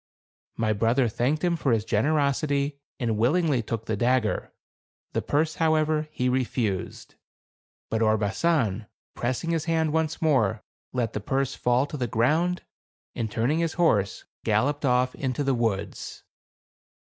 My brother thanked him for his generosity and willingly took the dagger ; the purse, however, he refused. THE CAB AVAN. 171 But Orbasan pressing liis hand once more, let the purse fall to the ground, and turning his horse galloped off into the woods.